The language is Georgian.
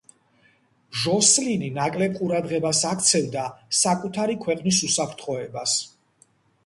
ჟოსლინი ნაკლებ ყურადღებას აქცევდა საკუთარი ქვეყნის უსაფრთხოებას.